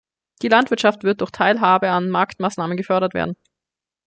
Die Landwirtschaft wird durch Teilhabe an Marktmaßnahmen gefördert werden.